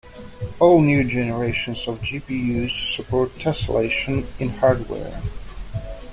All new generations of GPUs support tesselation in hardware.